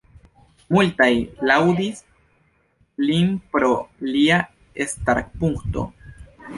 Multaj laŭdis lin pro lia starpunkto.